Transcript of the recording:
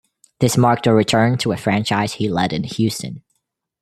This marked a return to a franchise he led in Houston.